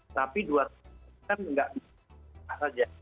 tapi dua tahun kan nggak bisa saja